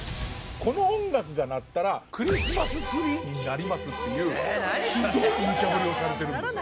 この音楽が鳴ったらクリスマスツリーになりますっていうひどいムチャぶりをされてるんですよ